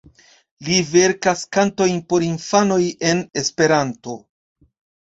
Li verkas kantojn por infanoj en Esperanto.